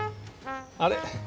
あれ？